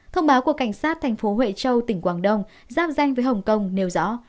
thông báo của cảnh sát tp huệ châu tỉnh quảng đông giáp danh với hồng kông nêu rõ